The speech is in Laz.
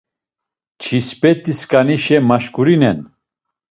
Çispet̆iskanişe maşǩurinen.